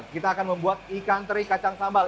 kita akan membuat ikan teri kacang sambal